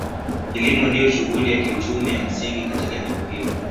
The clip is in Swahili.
Kilimo ndio shughuli ya kiuchumi ya msingi katika jimbo hili.